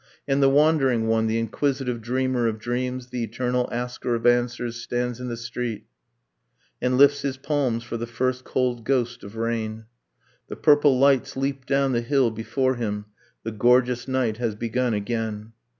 And the wandering one, the inquisitive dreamer of dreams, The eternal asker of answers, stands in the street, And lifts his palms for the first cold ghost of rain. The purple lights leap down the hill before him. The gorgeous night has begun again.